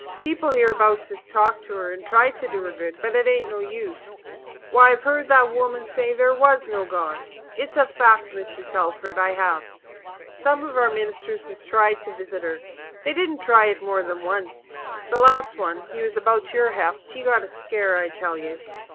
People hereabouts has talked to her and tried to do her good, but it ain't no use. Why, I've heard that woman say there was no God. It's a fact, Mr. Telford I have. Some of our ministers has tried to visit her. They didn't try it more than once. The last one he was about your heft he got a scare, I tell you.